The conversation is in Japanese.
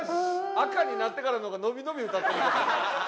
赤になってからの方が伸び伸び歌ってるじゃないですか。